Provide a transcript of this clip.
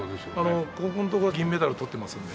ここのところは銀メダルとってますので。